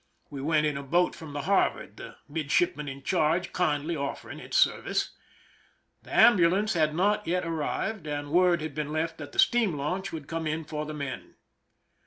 We went in a boat from the Harvard^ the midship man in charge kindly offering its service. The am bulance had not yet arrived, and word had been left that the steam launch would come in for the men.